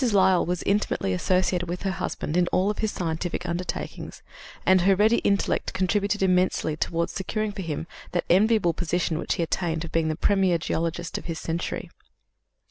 Lyell was intimately associated with her husband in all his scientific undertakings, and her ready intellect contributed immensely toward securing for him that enviable position which he attained of being the premier geologist of his century.